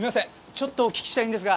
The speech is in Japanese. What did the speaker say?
ちょっとお聞きしたいんですが。